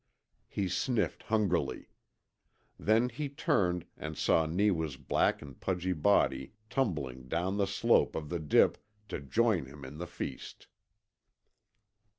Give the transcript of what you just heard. He sniffed hungrily. Then he turned, and saw Neewa's black and pudgy body tumbling down the slope of the dip to join him in the feast.